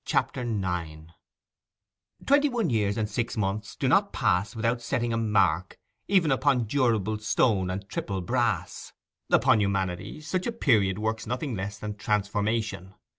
CHAPTER IX Twenty one years and six months do not pass without setting a mark even upon durable stone and triple brass; upon humanity such a period works nothing less than transformation.